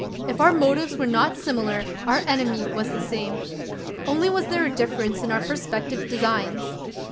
If our motives were not similar, our enemy was the same. Only was there a difference in our prospective designs.